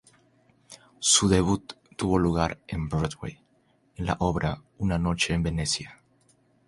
Su debut tuvo lugar en Broadway, en la obra "Una noche en Venecia".